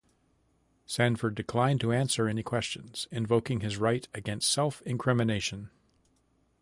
Sanford declined to answer any questions, invoking his right against self-incrimination.